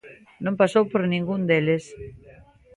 Non pasou por ningún deles.